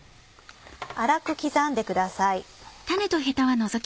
粗く刻んでください。